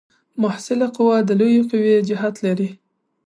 محصله قوه د لویې قوې جهت لري.